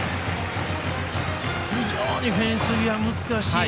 非常にフェンス際は難しい。